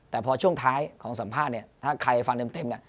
แต่พอช่วงท้ายของสัมภาษณ์ถ้าใครฟังเต็ม